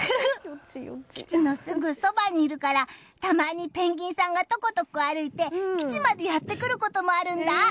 基地のすぐそばにいるからたまにペンギンさんがとことこ歩いて基地までやってくることもあるんだ。